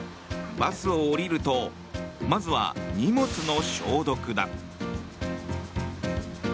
バスを降りるとまずは荷物の消毒だ。